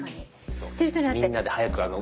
知ってる人に会って。